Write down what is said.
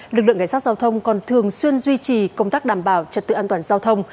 lực lượng cảnh sát giao thông còn thường xuyên duy trì công tác đảm bảo trật tự an toàn giao thông